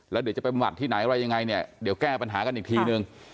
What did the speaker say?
แล้วเดี๋ยวจะไปบำบัดที่ไหนอะไรยังไงเนี่ยเดี๋ยวแก้ปัญหากันอีกทีนึง